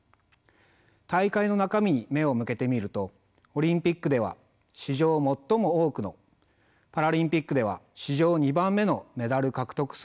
大会の中身に目を向けてみるとオリンピックでは史上最も多くのパラリンピックでは史上２番目のメダル獲得数となった大会でした。